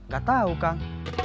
gak tahu kang